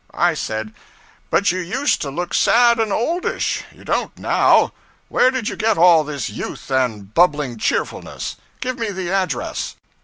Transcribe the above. I said 'But you used to look sad and oldish; you don't now. Where did you get all this youth and bubbling cheerfulness? Give me the address.'